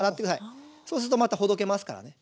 そうするとまたほどけますからね。